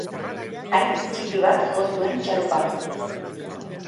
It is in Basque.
Haitz txiki bat jo zuen txalupak.